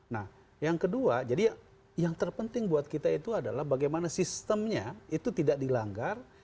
nah yang kedua jadi yang terpenting buat kita itu adalah bagaimana sistemnya itu tidak dilanggar